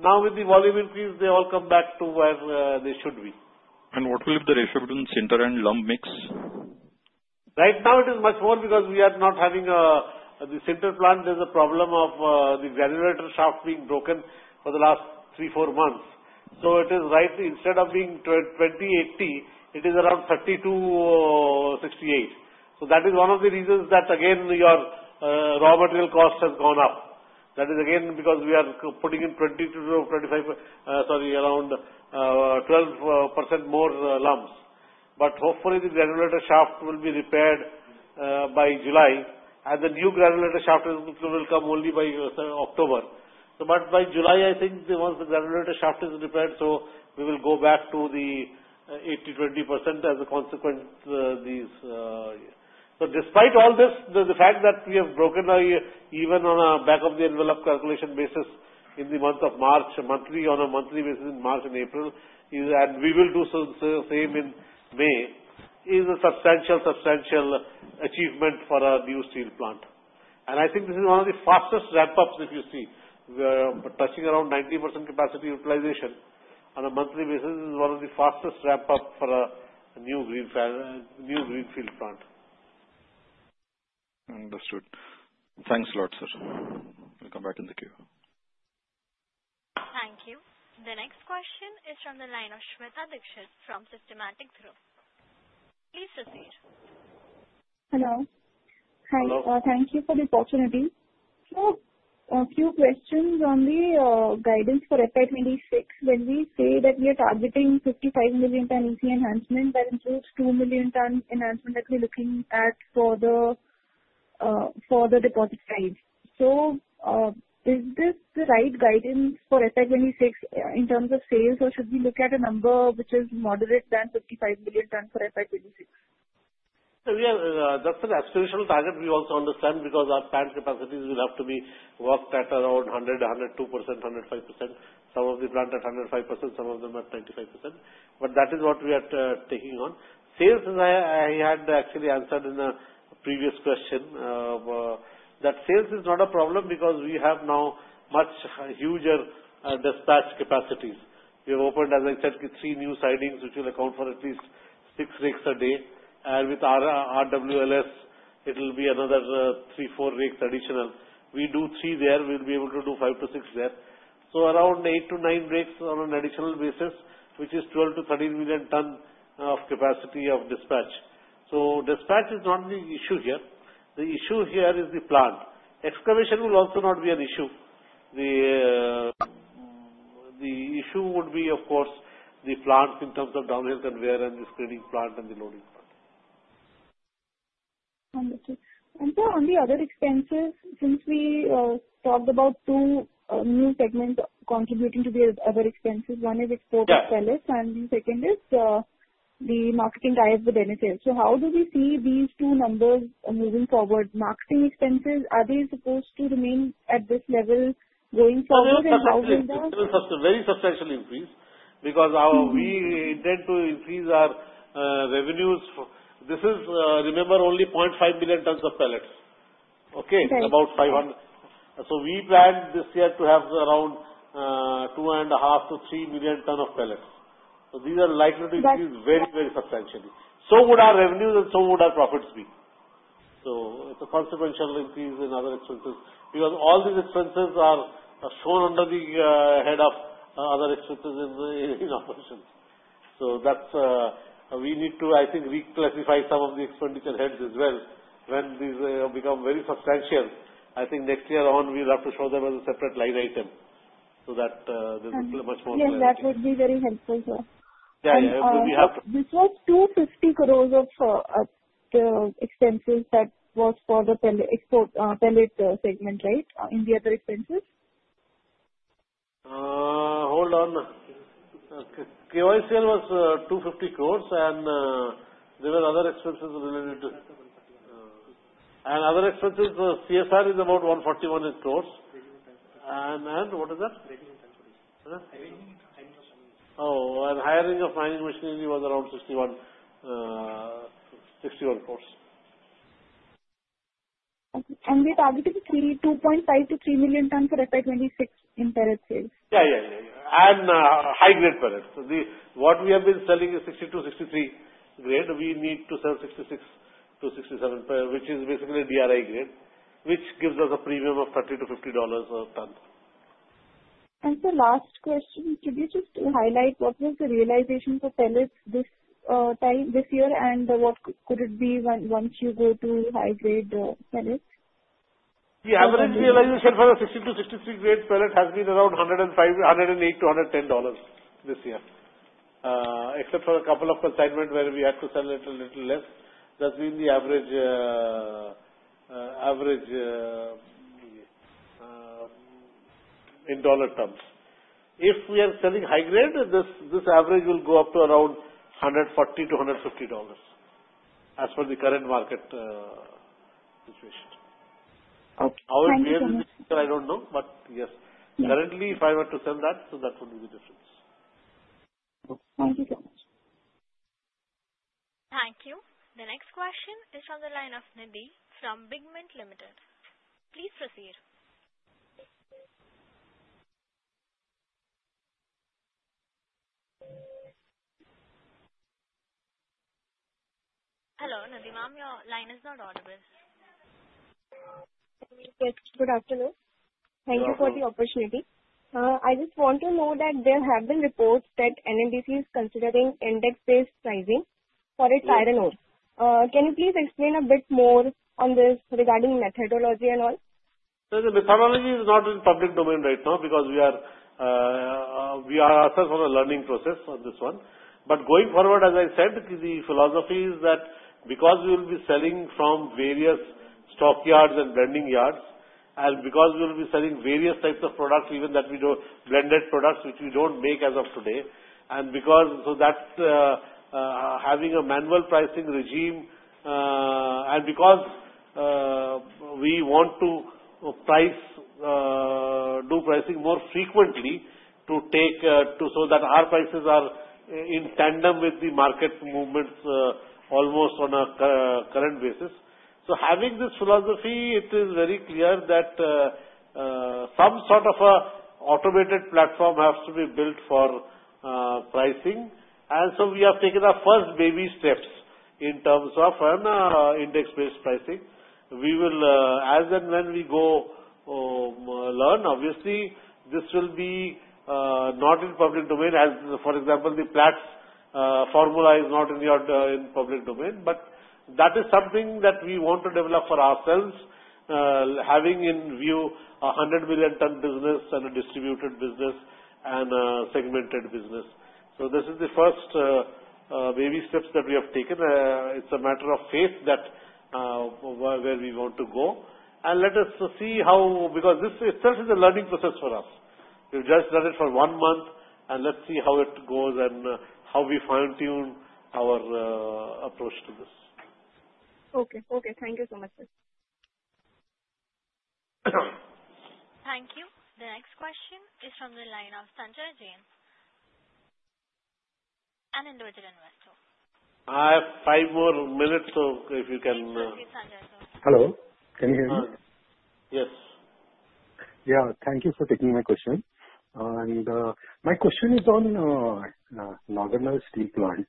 Now with the volume increase, they all come back to where they should be. What will be the ratio between fines and lump mix? Right now, it is much more because we are not having the sinter plant. There's a problem of the granulator shaft being broken for the last three-four months. So it is right. Instead of being 20-80, it is around 32-68. So that is one of the reasons that, again, your raw material cost has gone up. That is again because we are putting in 20-25, sorry, around 12% more lumps. But hopefully, the granulator shaft will be repaired by July, and the new granulator shaft will come only by October. But by July, I think once the granulator shaft is repaired, so we will go back to the 80-20% as a consequence. So despite all this, the fact that we have broken even on a back-of-the-envelope calculation basis in the month of March, on a monthly basis in March and April, and we will do the same in May, is a substantial, substantial achievement for our new steel plant. And I think this is one of the fastest ramp-ups, if you see. We are touching around 90% capacity utilization on a monthly basis. This is one of the fastest ramp-ups for a new greenfield plant. Understood. Thanks a lot, sir. We'll come back in the queue. Thank you. The next question is from the line of Shweta Dikshit from Systematix Group. Please proceed. Hello. Hello. Hi. Thank you for the opportunity. So a few questions on the guidance for FY 26. When we say that we are targeting 55 million tonnage enhancement, that includes 2 million tons enhancement that we're looking at for the depot side. So is this the right guidance for FY 26 in terms of sales, or should we look at a number which is moderate than 55 million tons for FY 26? Yeah, that's an exponential target. We also understand because our plant capacities will have to be worked at around 100, 102%, 105%. Some of the plant at 105%, some of them at 95%. But that is what we are taking on. Sales, as I had actually answered in the previous question, that sales is not a problem because we have now much huger dispatch capacities. We have opened, as I said, three new sidings, which will account for at least six rakes a day. And with RWLS, it will be another three, four rakes additional. We do three there. We'll be able to do five to six there. So around eight to nine rakes on an additional basis, which is 12 to 13 million ton of capacity of dispatch. So dispatch is not the issue here. The issue here is the plant. Excavation will also not be an issue. The issue would be, of course, the plants in terms of downhill conveyor and the screening plant and the loading plant. Understood. And sir, on the other expenses, since we talked about two new segments contributing to the other expenses, one is export of pellets and the second is the marketing ties with NSL. So how do we see these two numbers moving forward? Marketing expenses, are they supposed to remain at this level going forward and how will that? So this is a very substantial increase because we intend to increase our revenues. This is, remember, only 0.5 million tons of pellets. Okay? About 500. So we planned this year to have around 2.5 to 3 million ton of pellets. So these are likely to increase very, very substantially. So would our revenues and so would our profits be. So it's a consequential increase in other expenses because all these expenses are shown under the head of other expenses in operations. So we need to, I think, reclassify some of the expenditure heads as well. When these become very substantial, I think next year on, we'll have to show them as a separate line item so that there's much more to manage. Yes, that would be very helpful, sir. Yeah. We have to. This was 250 crores of expenses that was for the pellet segment, right, in the other expenses? Hold on. KIOCL was 250 crores, and there were other expenses related to. Other expenses, CSR is about 141 crores. What is that? Oh, and hiring of mining machinery was around 61 crores. We targeted 2.5-3 million ton for FY 26 in pellet sales. And high-grade pellets. What we have been selling is 62-63 grade. We need to sell 66-67, which is basically DRI grade, which gives us a premium of $30-$50 a ton. Sir, last question, could you just highlight what was the realization for pellets this year and what could it be once you go to high-grade pellets? The average realization for the 62, 63 grade pellet has been around $108-$110 this year, except for a couple of consignments where we had to sell a little less. That's been the average in dollar terms. If we are selling high-grade, this average will go up to around $140-$150 as per the current market situation. How it will be in the future, I don't know, but yes. Currently, if I were to sell that, so that would be the difference. Thank you so much. Thank you. The next question is from the line of Nidhi from BigMint. Please proceed. Hello, Nidhi ma'am. Your line is not audible. Yes, good afternoon. Thank you for the opportunity. I just want to know that there have been reports that NMDC is considering index-based pricing for its iron ore. Can you please explain a bit more on this regarding methodology and all? The methodology is not in public domain right now because we are ourselves on a learning process on this one. But going forward, as I said, the philosophy is that because we will be selling from various stock yards and blending yards, and because we will be selling various types of products, even that we do blended products, which we don't make as of today, and because so that's having a manual pricing regime, and because we want to do pricing more frequently to take so that our prices are in tandem with the market movements almost on a current basis. Having this philosophy, it is very clear that some sort of an automated platform has to be built for pricing. We have taken our first baby steps in terms of an index-based pricing. As and when we go live, obviously, this will not be in public domain. For example, the Platts formula is not in public domain, but that is something that we want to develop for ourselves, having in view a 100-million-ton business and a distributed business and a segmented business. So this is the first baby steps that we have taken. It's a matter of faith that where we want to go. And let us see how because this itself is a learning process for us. We've just done it for one month, and let's see how it goes and how we fine-tune our approach to this. Okay. Okay. Thank you so much, sir. Thank you. The next question is from the line of Sanjay Jain. An individual investor. I have five more minutes, so if you can. Okay, Sanjay. Hello. Can you hear me? Yes. Yeah. Thank you for taking my question, and my question is on Nagarnar Steel Plant.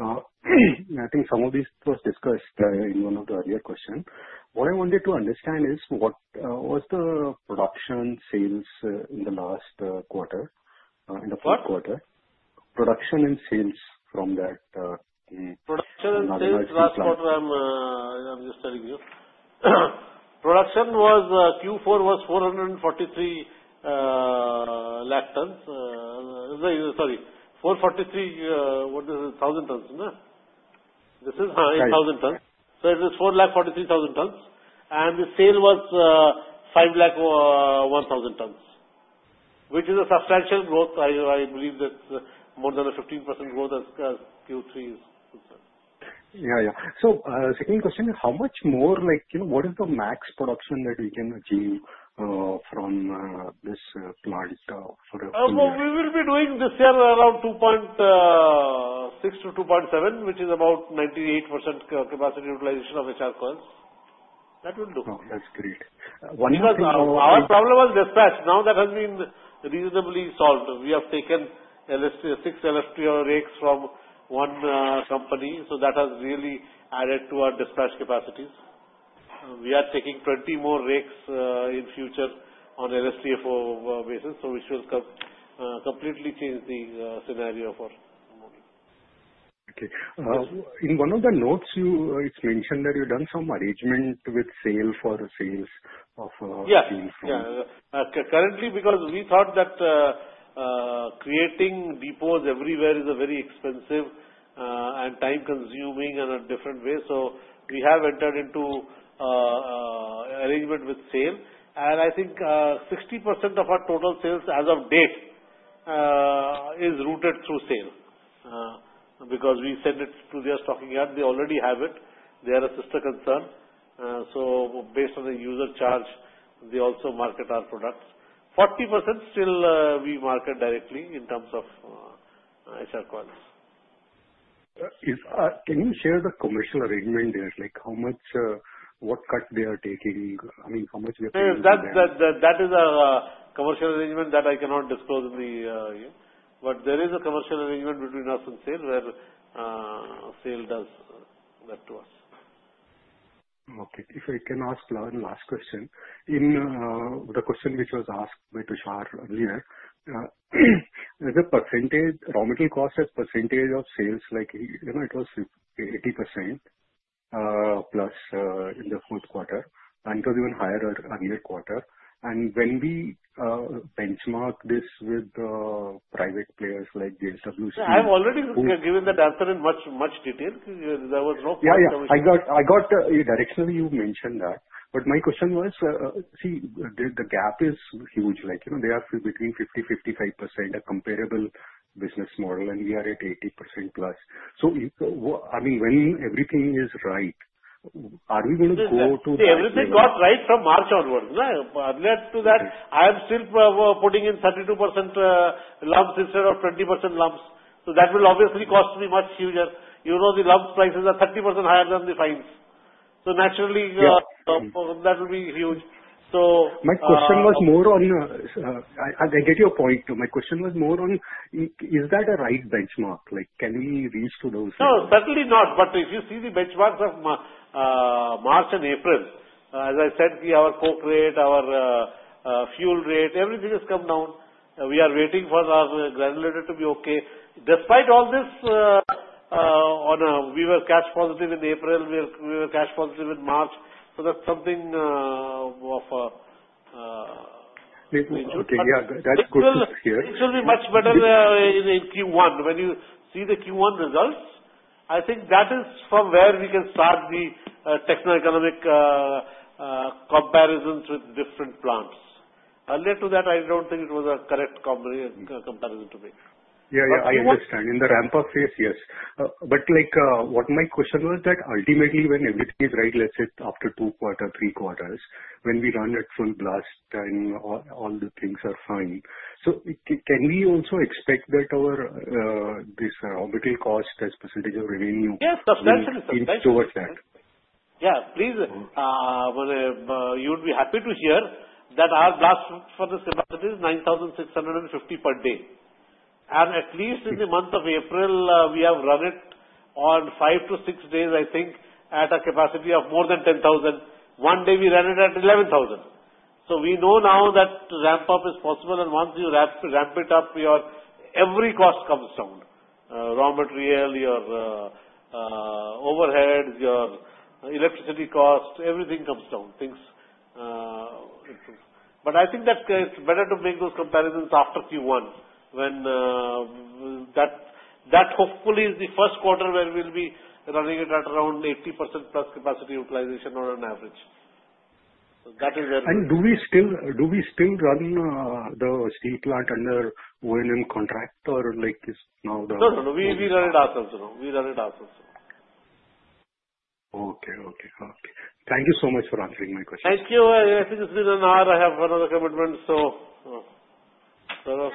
I think some of these were discussed in one of the earlier questions. What I wanted to understand is what was the production sales in the last quarter, in the fourth quarter? Production and sales from that. Production and sales last quarter, I'm just telling you. Production was Q4 was 443 lakh tons. Sorry. 443, what is it? 1,000 tons, no? This is 1,000 tons. So it is 443,000 tons, and the sale was 501,000 tons, which is a substantial growth. I believe that's more than a 15% growth as Q3 is concerned. Second question, how much more? What is the max production that we can achieve from this plant for? We will be doing this year around 2.6 to 2.7, which is about 98% capacity utilization of HR coils. That will do. Oh, that's great. Because our problem was dispatch. Now that has been reasonably solved. We have taken six SFTO rake from one company, so that has really added to our dispatch capacities. We are taking 20 more rakes in future on SFTO basis, so which will completely change the scenario for. Okay. In one of the notes, it's mentioned that you've done some arrangement with SAIL for sales of steel from. Yeah. Currently, because we thought that creating depots everywhere is very expensive and time-consuming in a different way, so we have entered into arrangement with SAIL. And I think 60% of our total sales as of date is routed through SAIL because we send it to their stocking yard. They already have it. They are a sister concern. So based on the user charge, they also market our products. 40% still we market directly in terms of HR coils. Can you share the commercial arrangement there? What cut they are taking? I mean, how much they are taking? That is a commercial arrangement that I cannot disclose in the year, but there is a commercial arrangement between us and SAIL where SAIL does that to us. Okay. If I can ask one last question. In the question which was asked by Tushar earlier, the percentage raw material cost as percentage of sales, it was 80% plus in the fourth quarter. And it was even higher earlier quarter. And when we benchmark this with private players like JSW Steel. I have already given that answer in much detail. There was no question. Yeah. I got directionally you mentioned that. But my question was, see, the gap is huge. They are between 50%-55%. A comparable business model, and we are at 80% plus. So I mean, when everything is right, are we going to go to that? See, everything got right from March onwards. To that, I am still putting in 32% lumps instead of 20% lumps. So that will obviously cost me much higher. You know the lumps prices are 30% higher than the fines. So naturally, that will be huge. So. My question was more on, I get your point. My question was more on, is that a right benchmark? Can we reach to those? No, certainly not. But if you see the benchmarks of March and April, as I said, our coke rate, our fuel rate, everything has come down. We are waiting for our granulator to be okay. Despite all this, we were cash positive in April. We were cash positive in March. So that's something of. Okay. Yeah. That's good to hear. It will be much better in Q1. When you see the Q1 results, I think that is from where we can start the techno-economic comparisons with different plants. Earlier to that, I don't think it was a correct comparison to make. Yeah, yeah. I understand. In the ramp-up phase, yes. But what my question was that ultimately, when everything is right, let's say after two quarters, three quarters, when we run at full blast and all the things are fine, so can we also expect that our raw material cost as percentage of revenue? Yes, substantially. Is towards that? Yeah. Please, you would be happy to hear that our blast furnace capacity is 9,650 per day. And at least in the month of April, we have run it on five to six days, I think, at a capacity of more than 10,000. One day, we ran it at 11,000. So we know now that ramp-up is possible. And once you ramp it up, every cost comes down. Raw material, your overheads, your electricity cost, everything comes down. But I think that it's better to make those comparisons after Q1 when that hopefully is the first quarter where we'll be running it at around 80% plus capacity utilization on an average. So that is where. And do we still run the steel plant under O&M contract or now the? No, no, no. We run it ourselves now. We run it ourselves now. Okay, okay, okay. Thank you so much for answering my question. Thank you. I think it's been an hour. I have another commitment, so. Yes, sir.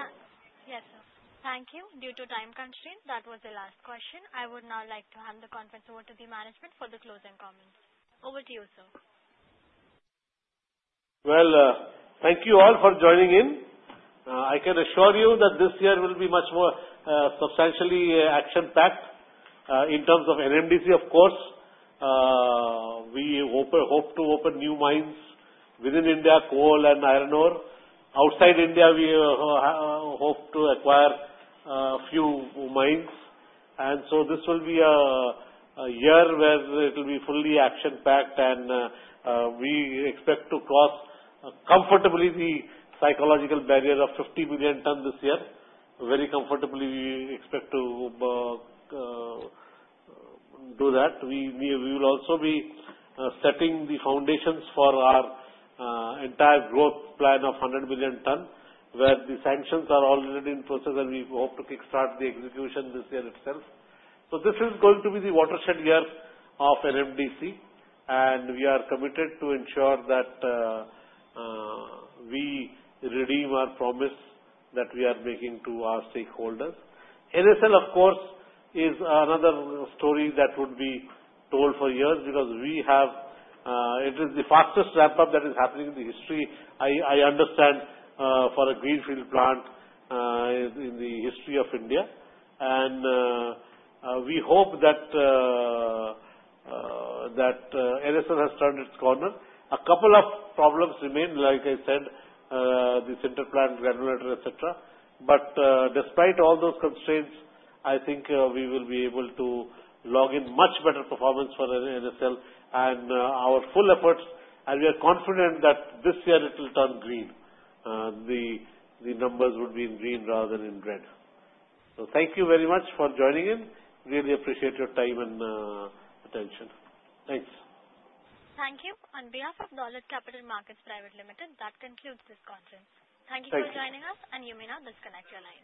Thank you. Due to time constraints, that was the last question. I would now like to hand the conference over to the management for the closing comments. Over to you, sir. Thank you all for joining in. I can assure you that this year will be much more substantially action-packed in terms of NMDC, of course. We hope to open new mines within India, coal and iron ore. Outside India, we hope to acquire a few mines. This will be a year where it will be fully action-packed, and we expect to cross comfortably the psychological barrier of 50 million ton this year. Very comfortably, we expect to do that. We will also be setting the foundations for our entire growth plan of 100 million ton, where the sanctions are already in process, and we hope to kickstart the execution this year itself. This is going to be the watershed year of NMDC, and we are committed to ensure that we redeem our promise that we are making to our stakeholders. NSL, of course, is another story that would be told for years because it is the fastest ramp-up that is happening in the history, I understand, for a greenfield plant in the history of India. And we hope that NSL has turned its corner. A couple of problems remain, like I said, the sinter plant granulator, etc. But despite all those constraints, I think we will be able to log in much better performance for NSL and our full efforts. And we are confident that this year it will turn green. The numbers would be in green rather than in red. So thank you very much for joining in. Really appreciate your time and attention. Thanks. Thank you. On behalf of Dolat Capital Markets Private Limited, that concludes this conference. Thank you for joining us, and you may now disconnect your line.